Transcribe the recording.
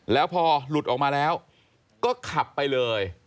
แล้วพอหลุดออกมาแล้วก็ขับไปเลย